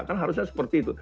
kan harusnya seperti itu